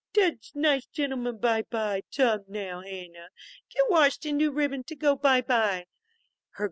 "Tell nice gentleman by by. Tum now, Hanna, get washed and new ribbon to go by by.